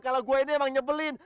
kalau gue ini emang nyebelin